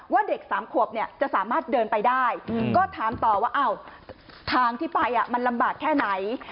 เด็ก๓ขวบเนี่ยจะสามารถเดินไปได้ก็ถามต่อว่าทางที่ไปมันลำบากแค่ไหน